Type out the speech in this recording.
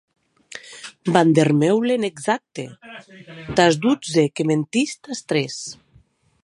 Van der Meulen, exacte, tàs dotze, que mentís tàs tres.